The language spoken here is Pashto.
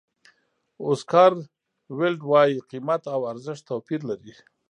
اوسکار ویلډ وایي قیمت او ارزښت توپیر لري.